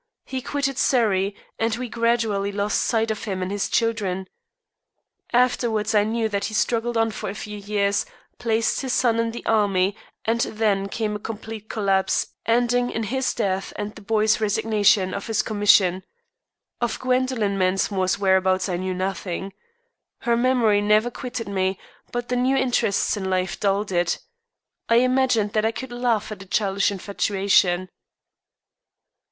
He quitted Surrey, and we gradually lost sight of him and his children. Afterwards I knew that he struggled on for a few years, placed his son in the army, and then came a complete collapse, ending in his death and the boy's resignation of his commission. Of Gwendoline Mensmore's whereabouts I knew nothing. Her memory never quitted me, but the new interests in my life dulled it. I imagined that I could laugh at a childish infatuation.